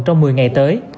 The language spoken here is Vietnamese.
trong một mươi ngày tới